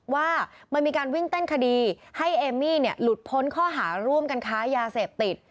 ว่ามันมีการวิ่งเต้นคดีให้เอมมี่หลุดพ้นข้อหาร่วมกันค้ายาเสพติด